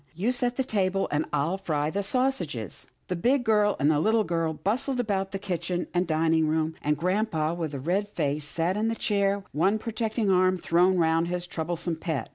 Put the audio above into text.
You set the table, and I'll fry the sausages." The big girl and the little girl bustled about the kitchen and dining room, and grampa, with a red face, sat in his chair, one protecting arm thrown round his troublesome pet.